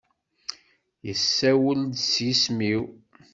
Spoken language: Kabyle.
Yessawel-d s yisem-iw.